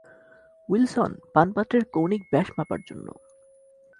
Wilson, পানপাত্রের কৌণিক ব্যাস মাপার জন্য।